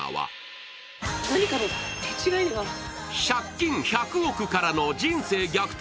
借金１００億からの人生逆転